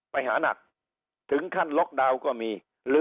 ไปหานักถึงขั้นล็อกดาวน์ก็มี